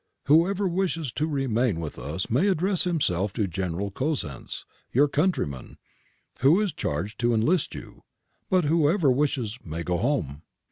Whoever wishes to remain with us may address himself to Genc^ral Cosenz, your countryman, who is charged to enlist you. But whoever wishes may go home.'